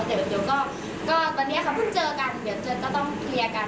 เดี๋ยวหลังนั้นค่ะเดี๋ยวต้องเคลียร์กันให้เขารู้ว่าเราก็โหล่งเหล่ากัน